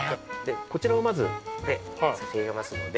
こちらをまずさしあげますので。